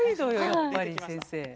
やっぱり先生。